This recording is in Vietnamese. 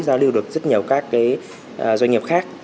giao lưu được rất nhiều doanh nghiệp khác